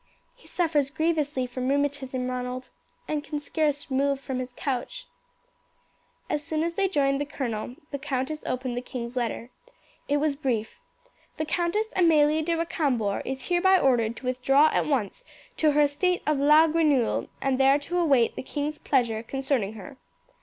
"He suffers grievously from rheumatism, Ronald, and can scarce move from his couch." As soon as they joined the colonel the countess opened the king's letter. It was brief. "The Countess Amelie de Recambours is hereby ordered to withdraw at once to her estate of La Grenouille and there to await the king's pleasure concerning her."